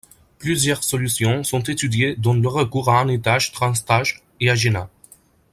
Plusieurs solutions sont étudiées dont le recours à un étage Transtage et Agena.